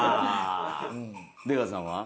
出川さんは？